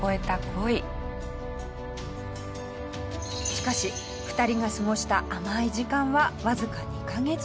しかし２人が過ごした甘い時間はわずか２カ月ほど。